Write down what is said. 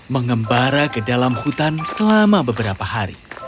mengembara ke dalam hutan selama beberapa hari